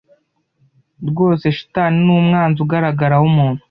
rwose shitani ni umwanzi ugaragara w’Umuntu